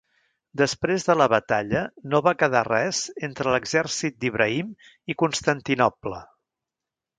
Després de la batalla no va quedar res entre l'exèrcit d'Ibrahim i Constantinoble.